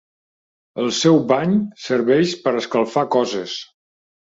El seu bany serveix per escalfar coses.